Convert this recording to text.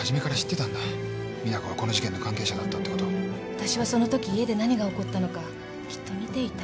あたしはそのとき家で何が起こったのかきっと見ていた。